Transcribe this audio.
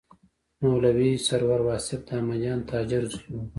مولوي سرور واصف د احمدجان تاجر زوی و.